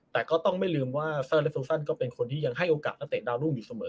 แต่ก็ต้องไม่ลืมว่าเซอร์และซูซันก็เป็นคนที่ยังให้โอกาสนักเตะดาวรุ่งอยู่เสมอ